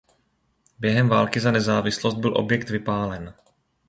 Během války za nezávislost byl objekt vypálen.